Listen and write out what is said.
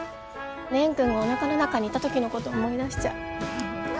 蓮くんがおなかの中にいた時のこと思い出しちゃう。